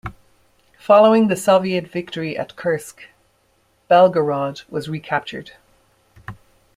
Following the Soviet victory at Kursk, Belgorod was recaptured.